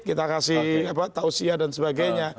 kita kasih tausiah dan sebagainya